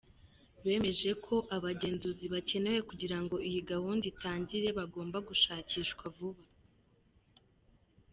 Bemeje ko abagenzuzi bakenewe kugira ngo iyi gahunda itangire bagomba gushakishwa vuba.